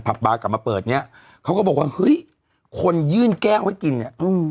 บาร์กลับมาเปิดเนี้ยเขาก็บอกว่าเฮ้ยคนยื่นแก้วให้กินเนี่ยอืม